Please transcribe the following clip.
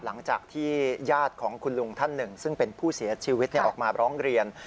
หลังจากที่ญาติของคุณลุงท่านหนึ่งซึ่งเป็นผู้เสียชีวิตออกมาร้องเรียน